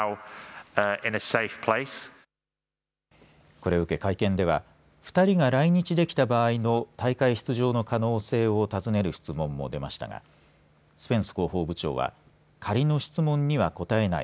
これを受け会見では２人が来日できた場合の大会出場の可能性を尋ねる質問も出ましたがスペンス広報部長は仮の質問には答えない。